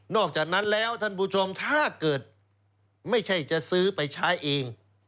อกจากนั้นแล้วท่านผู้ชมถ้าเกิดไม่ใช่จะซื้อไปใช้เอง